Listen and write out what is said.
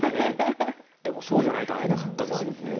でも、そうじゃないと会えなかったんですよね。